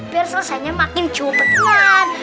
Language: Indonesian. biar selesainya makin cepet banget